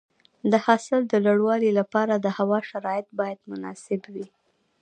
د حاصل د لوړوالي لپاره د هوا شرایط باید مناسب وي.